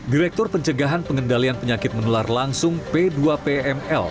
direktur pencegahan pengendalian penyakit menular langsung p dua pml